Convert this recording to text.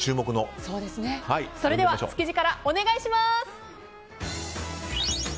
それでは築地からお願いします。